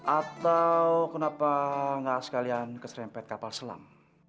atau kenapa nggak sekalian keserempet kapal selam